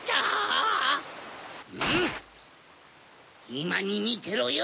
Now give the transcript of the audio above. いまにみてろよ